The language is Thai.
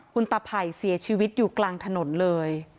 คุณตาไผ่เสียชีวิตอยู่กลางถนนเลย